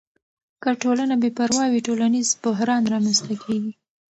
که ټولنه بې پروا وي، ټولنیز بحران رامنځته کیږي.